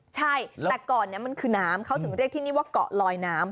ใช่แต่ก่อนนี้มันคือน้ำเขาถึงเรียกที่นี่ว่าเกาะลอยน้ำ